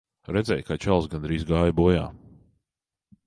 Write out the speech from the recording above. Redzēji, kā čalis gandrīz gāja bojā.